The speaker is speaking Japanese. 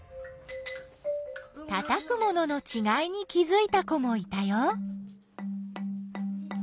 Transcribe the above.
たたく物のちがいに気づいた子もいたよ。